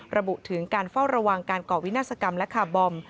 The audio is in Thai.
ระบุถึงการเฝ้าระวังการก่อวินาศกรรมและคาร์บอม